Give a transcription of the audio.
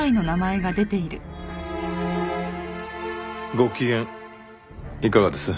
ご機嫌いかがです？